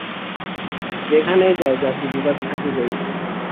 যেখানেই যাও, জাতিবিভাগ থাকিবেই।